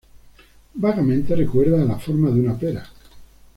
Vagamente recuerda a la forma de una pera.